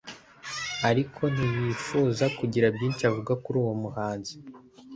ariko ntiyifuza kugira byinshi avuga kuri uwo muhanzi